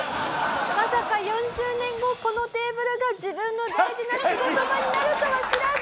「まさか４０年後このテーブルが自分の大事な仕事場になるとは知らず！」